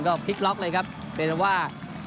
ก็พลิกล็อกเลยครับเป็นว่า